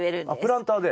プランターで。